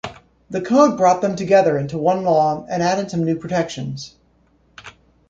The Code brought them together into one law and added some new protections.